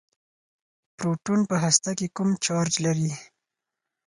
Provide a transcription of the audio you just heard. پروټون په هسته کې کوم چارچ لري.